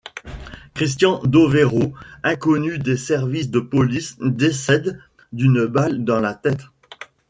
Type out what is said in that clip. Christian Dovéro, inconnu des services de police, décède d'une balle dans la tête.